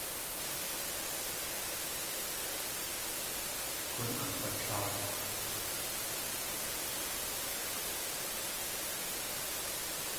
K̲oon akg̲watláakw.